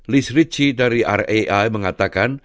liz rici dari rai mengatakan